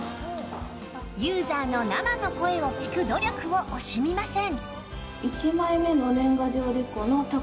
ユーザーの生の声を聞く努力を惜しみません。